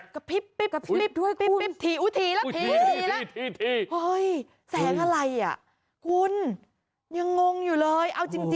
ช่วยด้วย